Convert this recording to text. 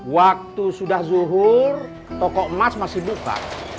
waktu sudah zuhur toko emas masih buka